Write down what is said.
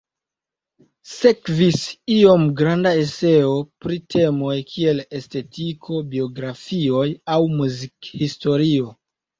Sekvis iom granda eseo pri temoj kiel estetiko, biografioj aŭ muzikhistorio.